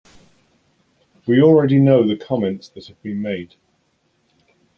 We already know the comments that have been made.